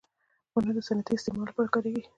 • ونه د صنعتي استعمال لپاره کارېږي.